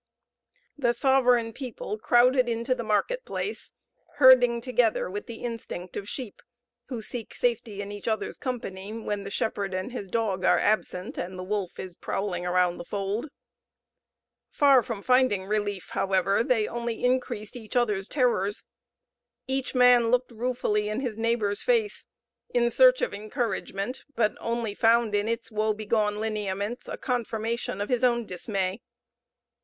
The sovereign people crowded into the marketplace, herding together with the instinct of sheep, who seek safety in each other's company when the shepherd and his dog are absent, and the wolf is prowling round the fold. Far from finding relief, however, they only increased each other's terrors. Each man looked ruefully in his neighbor's face, in search of encouragement, but only found in its woebegone lineaments a confirmation of his own dismay.